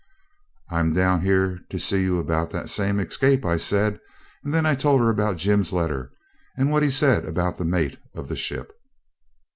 'I'm down here now to see you about the same escape,' I said; and then I told her about Jim's letter, and what he said about the mate of the ship.